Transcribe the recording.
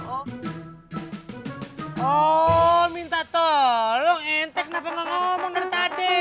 oh minta tolong entek kenapa gak ngomong dari tadi